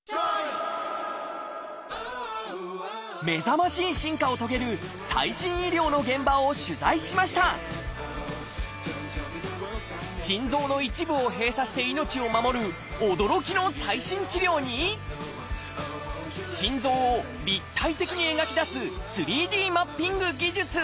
目覚ましい進化を遂げる最新医療の現場を取材しました心臓の一部を閉鎖して命を守る驚きの最新治療に心臓を立体的に描き出す３Ｄマッピング技術。